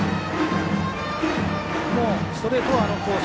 ストレートは、あのコース。